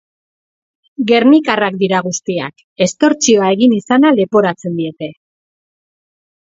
Gernikarrak dira guztiak, estortsioa egin izana leporatzen diete.